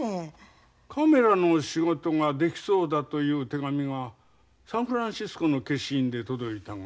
カメラの仕事ができそうだという手紙がサンフランシスコの消印で届いたが。